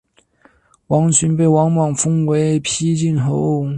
王寻被王莽封为丕进侯。